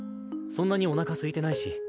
そんなにおなかすいてないし。